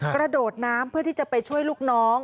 กระโดดน้ำเพื่อที่จะไปช่วยลูกน้อง